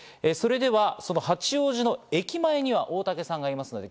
それではその八王子の駅前には大竹さんがいます。